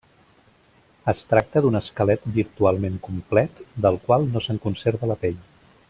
Es tracta d'un esquelet virtualment complet, del qual no se'n conserva la pell.